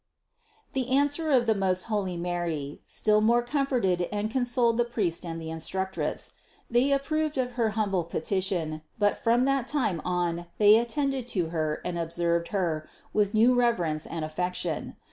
This answer of the most holy Mary still more comforted and consoled the priest and the instructress; and they ap proved of her humble petition, but from that time on they attended to Her and observed Her with new reverence and affection.